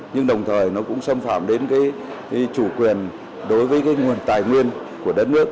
nhưng đồng thời nó cũng xâm phạm đến cái chủ quyền đối với cái nguồn tài nguyên của đất nước